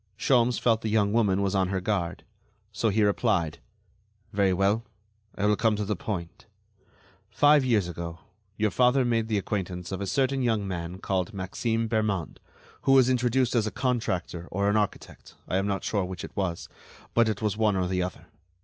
Sholmes felt the young woman was on her guard, so he replied: "Very well; I will come to the point. Five years ago your father made the acquaintance of a certain young man called Maxime Bermond, who was introduced as a contractor or an architect, I am not sure which it was; but it was one or the other.